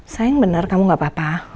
sayang bener kamu gak apa apa